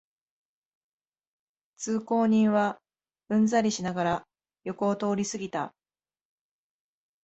通行人はうんざりしながら横を通りすぎた